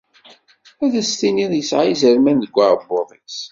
Ad as-tiniḍ isεa izerman deg uεebbuḍ-is.